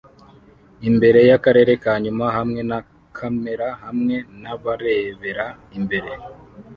imbere yakarere ka nyuma hamwe na kamera hamwe nabarebera imbere.